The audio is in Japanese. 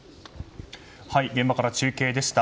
現場から中継でした。